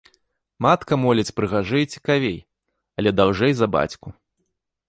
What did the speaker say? Матка моліць прыгажэй і цікавей, але даўжэй за бацьку.